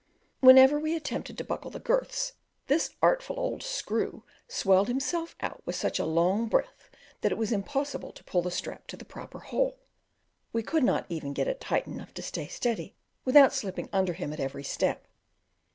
Whenever we attempted to buckle the girths, this artful old screw swelled himself out with such a long breath that it was impossible to pull the strap to the proper hole; we could not even get it tight enough to stay steady, without slipping under him at every step.